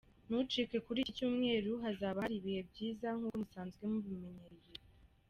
ntucikwe kuri iki cyumweru, hazaba hari ibihe byiza nk'uko musanzwe mubimenyereye.